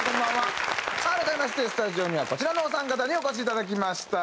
さあ改めましてスタジオにはこちらのお三方にお越しいただきました。